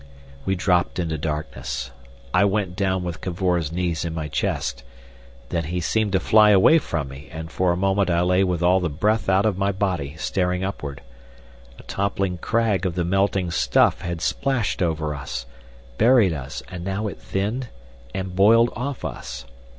We dropped into darkness. I went down with Cavor's knees in my chest. Then he seemed to fly away from me, and for a moment I lay with all the breath out of my body staring upward. A toppling crag of the melting stuff had splashed over us, buried us, and now it thinned and boiled off us.